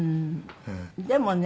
でもね。